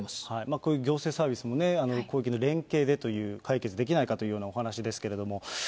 こういう行政サービスもね、広域の連携でという、解決できないかというようなお話しですけれども。